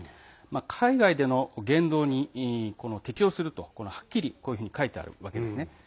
海外での言動に適用するとはっきりこういうふうに書いてあるわけです。